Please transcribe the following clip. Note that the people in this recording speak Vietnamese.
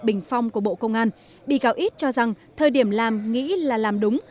bình phong của bộ công an bị cáo ít cho rằng thời điểm làm nghĩ là làm đúng